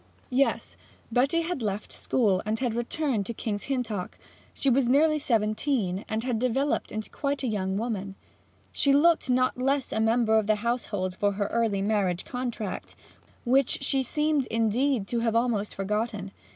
Yes, Betty had left school, and had returned to King's Hintock. She was nearly seventeen, and had developed to quite a young woman. She looked not less a member of the household for her early marriage contract, which she seemed, indeed, to have almost forgotten.